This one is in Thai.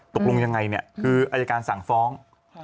ตกลงยังไงเนี่ยคืออายการสั่งฟ้อง